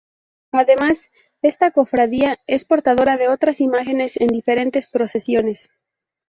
Además, esta cofradía es portadora de otras imágenes en diferentes procesiones.